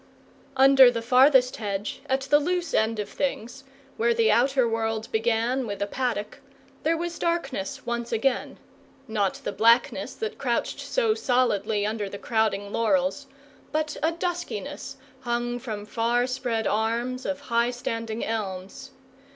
Under the farthest hedge, at the loose end of things, where the outer world began with the paddock, there was darkness once again not the blackness that crouched so solidly under the crowding laurels, but a duskiness hung from far spread arms of high standing elms.